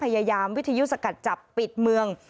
พยายามวิทยุสกัดจับปิดเมือง